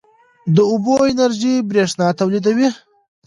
د اوبو انرژي برښنا تولیدوي